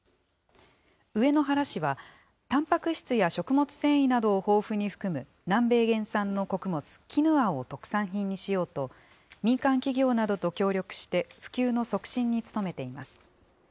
上野原市は、たんぱく質や食物繊維などを豊富に含む、南米原産の穀物、キヌアを特産品にしようと、民間企業などと協力して、普及の促進に努めています。